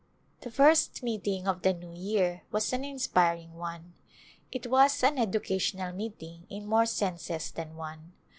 The first meeting of the new year was an inspiring one. It was an " educational meeting " in more senses than one.